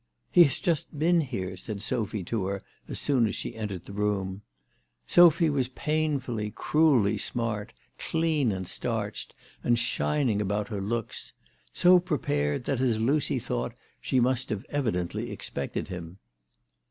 " He has just been here," said Sophy to her as soon as she entered the room. Sophy was painfully, cruelly smart, clean and starched, and shining about her locks, so prepared that, as Lucy thought, she must have evidently expected him.